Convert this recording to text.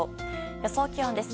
予想気温です。